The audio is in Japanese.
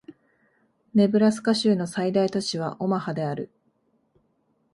ネブラスカ州の最大都市はオマハである